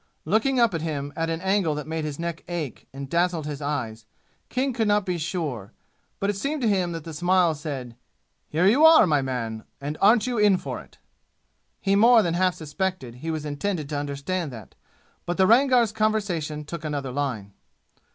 Looking up at him at an angle that made his neck ache and dazzled his eyes, King could not be sure, but it seemed to him that the smile said, "Here you are, my man, and aren't you in for it?" He more than half suspected he was intended to understand that. But the Rangar's conversation took another line.